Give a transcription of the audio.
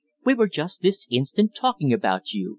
"We were just this instant talking about you.